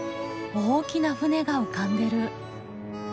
大きな船が浮かんでる。